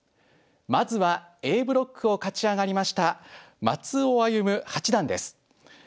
まずはＡブロックを勝ち上がりました松尾歩八段です。